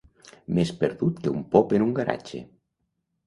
Més perdut que un pop en un garatge.